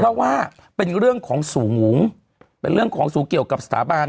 เพราะว่าเป็นเรื่องของสูงเป็นเรื่องของสูงเกี่ยวกับสถาบัน